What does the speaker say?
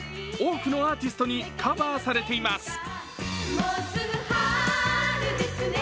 多くのアーティストにカバーされています。